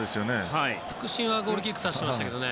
副審はゴールキック指してましたね。